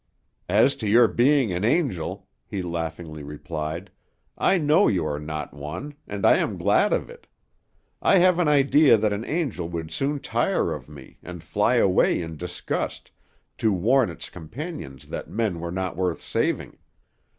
"As to your being an angel," he laughingly replied, "I know you are not one, and I am glad of it. I have an idea that an angel would soon tire of me, and fly away in disgust, to warn its companions that men were not worth saving.